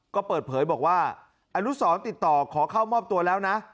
ก็เปิดเผยบอกว่าอนุสรติดต่อขอเข้ามอบตัวแล้วนะ